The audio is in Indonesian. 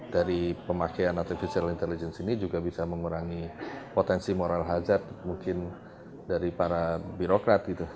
dari pemakaian artificial intelligence ini juga bisa mengurangi potensi moral hazard mungkin dari para birokrat gitu